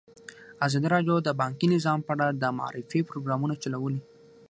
ازادي راډیو د بانکي نظام په اړه د معارفې پروګرامونه چلولي.